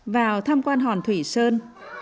nào tham quan hòn thủy sơn